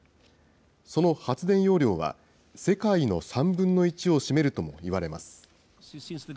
その発電容量は、世界の３分の１を占めるともいわれます。